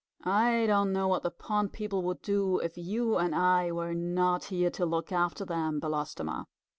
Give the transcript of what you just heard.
I don't know what the pond people would do, if you and I were not here to look after them, Belostoma."